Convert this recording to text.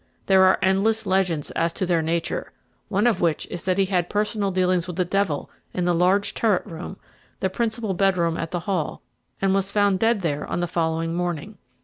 There are endless legends as to their nature, one of which is that he had personal dealings with the devil in the large turret room, the principal bedroom at the Hall, and was found dead there on the following morning.